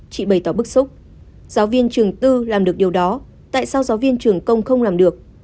chị bày tỏ bức xúc giáo viên trường tư làm được điều đó tại sao giáo viên trường công không làm được